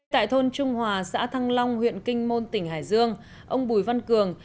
tại thôn trung hòa xã thăng long huyện kinh môn tỉnh hải dương ông bùi văn cường